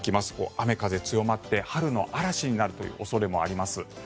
雨風強まって春の嵐になるという恐れもあります。